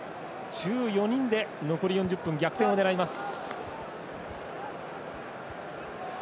１４人で残り４０分逆転を狙います。